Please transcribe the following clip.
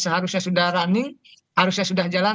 seharusnya sudah running harusnya sudah jalan